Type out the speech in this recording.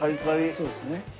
そうですね。